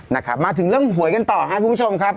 นะครับมาถึงเรื่องหวยกันต่อครับคุณผู้ชมครับ